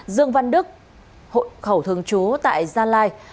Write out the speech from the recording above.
dương văn đức hội khẩu thường chú tại gia lai